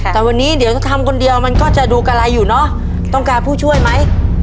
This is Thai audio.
แต่วันนี้เดี๋ยวจะทำคนเดียวมันก็จะดูกะไรอยู่เนอะต้องการผู้ช่วยไหม